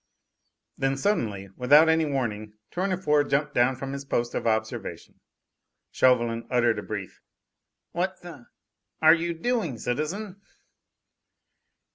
Then suddenly, without any warning, Tournefort jumped down from his post of observation. Chauvelin uttered a brief: "What the are you doing, citizen?"